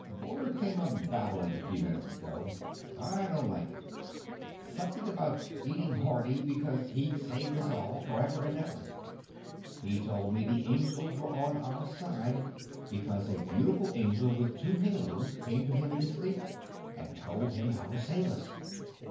"Bullard came up babbling a few minutes ago. I don't like it. Something about eating hearty, because he'd saved us all, forever and ever. He told me the angels were on our side, because a beautiful angel with two halos came to him in his sleep and told him how to save us.